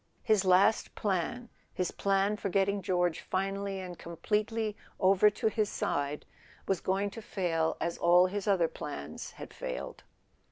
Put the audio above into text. His last plan, his plan for getting George finally and com¬ pletely over to his side, was going to fail as all his other plans had failed.